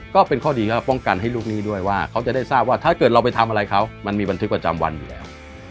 ก็เป็นข้อดีก็ป้องกันให้ลูกหนี้ด้วยว่าเขาจะได้ทราบว่าถ้าเกิดเราไปทำอะไรเขามันมีบันทึกประจำวันอยู่แล้ว